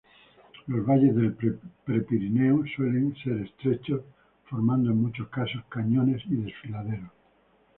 Los valles del Prepirineo suelen ser estrechos, formando en muchos casos cañones y desfiladeros.